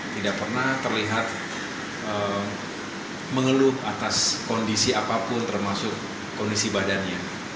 tidak pernah terlihat mengeluh atas kondisi apapun termasuk kondisi badannya